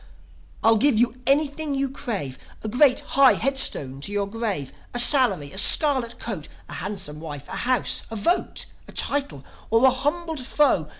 "I'll give you anything you crave: A great, high headstone to your grave, A salary, a scarlet coat, A handsome wife, a house, a vote, A title, or a humbled foe."